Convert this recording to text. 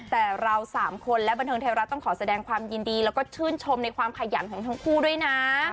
แต่เราสามคนและบันเทิงไทยรัฐต้องขอแสดงความยินดีแล้วก็ชื่นชมในความขยันของทั้งคู่ด้วยนะ